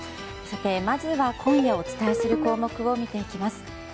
まずは、今夜お伝えする項目を見ていきます。